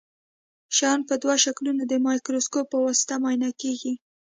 شیان په دوه شکلو د مایکروسکوپ په واسطه معاینه کیږي.